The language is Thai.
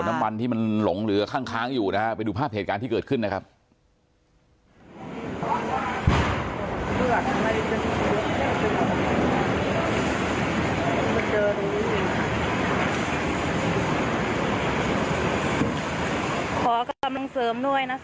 น้ำมันที่มันหลงเหลือข้างอยู่นะฮะไปดูภาพเหตุการณ์ที่เกิดขึ้นนะครับ